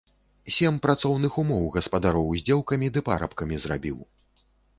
Сем працоўных умоў гаспадароў з дзеўкамі ды парабкамі зрабіў.